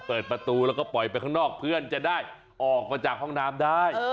เปิดประตูแล้วก็ปล่อยไปข้างนอกเพื่อนจะได้ออกมาจากห้องน้ำได้